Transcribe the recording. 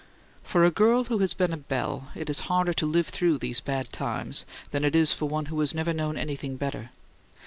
For a girl who has been a belle, it is harder to live through these bad times than it is for one who has never known anything better.